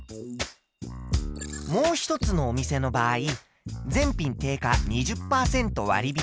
もう一つのお店の場合全品定価２０％割引。